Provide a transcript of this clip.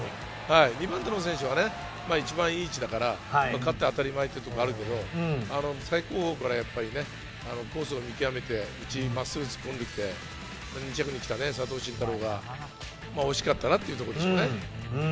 ２番手の選手は一番いい位置だから勝って当たり前というのはあるけれども、最後方からコースを見極めて、真っすぐ突っ込んできて、２着に来た佐藤慎太郎が惜しかったなというところでしょうね。